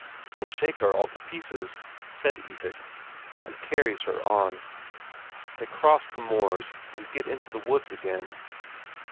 "'Twill shake her all to pieces," said Isak, and carries her on. They cross the moors and get into the woods again.